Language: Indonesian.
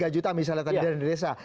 tiga juta misalnya